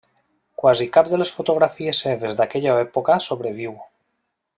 Quasi cap de les fotografies seves d'aquella època sobreviu.